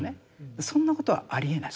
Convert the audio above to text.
そんなことはありえない。